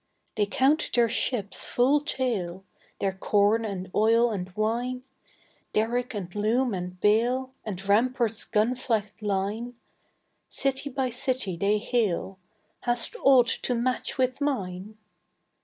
They count their ships full tale Their corn and oil and wine, Derrick and loom and bale, And rampart's gun flecked line; City by city they hail: "Hast aught to match with mine?"